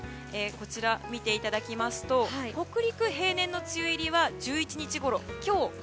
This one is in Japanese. こちら見ていただきますと北陸、平年の梅雨入りは１１日ごろ、今日。